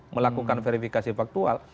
melakukan verifikasi faktual